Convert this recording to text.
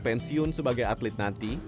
pensiun sebagai atlet nanti